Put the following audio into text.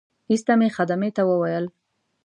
ایسته مې خدمې ته وویل.